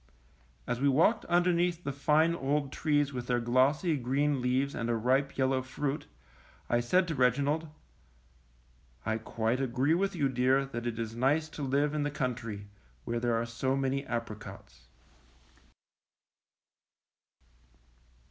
As we walked underneath the fine old trees with their glossy, green leaves and ripe yel low fruit, I said to Reginald: quite agree with you, dear, that it is nice to live in the country, where there are so many apricots.